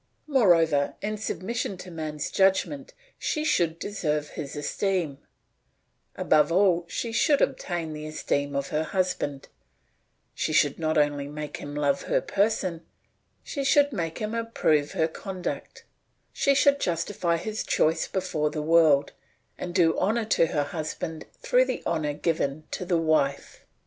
Moreover, in submission to man's judgment she should deserve his esteem; above all she should obtain the esteem of her husband; she should not only make him love her person, she should make him approve her conduct; she should justify his choice before the world, and do honour to her husband through the honour given to the wife.